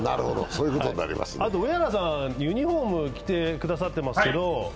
あと、上原さんユニフォーム着てくださってますけど。